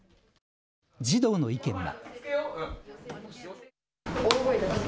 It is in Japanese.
児童の意見は。